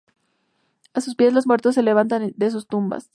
A sus pies los muertos se levantan de sus tumbas.